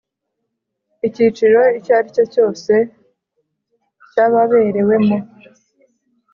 icyiciro icyo ari cyo cyose cy ababerewemo